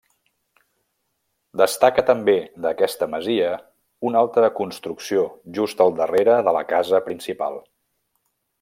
Destaca també d'aquesta masia una altra construcció just al darrere de la casa principal.